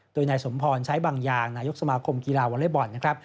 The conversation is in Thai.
โดยนายสมพรใช้บางอย่างนายกสมาคมกีฬาวอเล็กบอลนะครับ